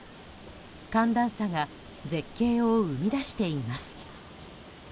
寒暖差が絶景を生み出しています。